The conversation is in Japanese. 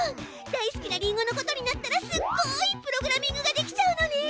大好きなリンゴのことになったらすっごいプログラミングができちゃうのね！